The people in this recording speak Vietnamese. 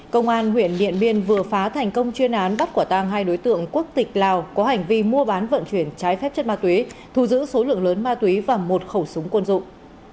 công an huyện điện biên vừa phá thành công chuyên án bắt quả tang hai đối tượng quốc tịch lào có hành vi mua bán vận chuyển trái phép chất ma túy thù giữ số lượng lớn ma túy và một khẩu súng quân dụng